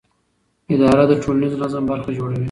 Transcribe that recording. اداره د ټولنیز نظم برخه جوړوي.